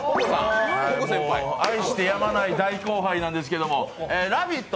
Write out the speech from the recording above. もう愛してやまない、大後輩なんですけれども、「ラヴィット！」